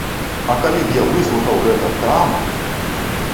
А калі б я выслухаў гэта там!